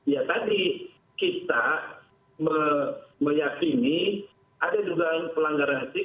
ya tadi kita meyakini ada duga pelanggaran asli